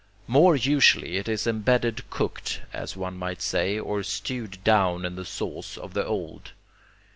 More usually it is embedded cooked, as one might say, or stewed down in the sauce of the old.